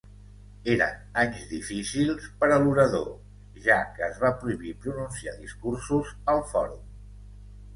Eren anys difícils per a l'orador, ja que es va prohibir pronunciar discursos al fòrum.